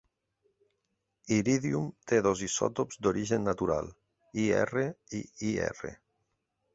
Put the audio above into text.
Iridium té dos Isòtops d'origen natural, IR i IR.